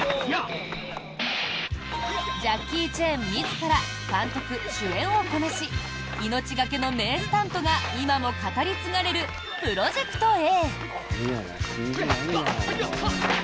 ジャッキー・チェン自ら監督・主演をこなし命懸けの名スタントが今も語り継がれる「プロジェクトＡ」。